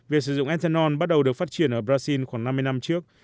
việc sử dụng ethanol bắt đầu được phát triển ở brazil khoảng năm mươi năm trước